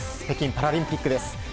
北京パラリンピックです。